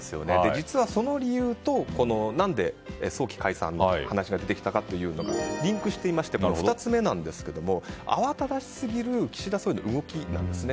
実はその理由と、この何で早期解散という話が出てきたのかはリンクしていましてこれの２つ目なんですが慌ただしすぎる岸田総理の動きなんですね。